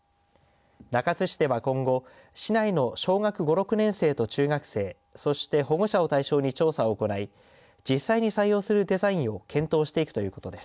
中津市では今後市内の小学５・６年生と中学生そして保護者を対象に調査を行い実際に採用するデザインを検討していくということです。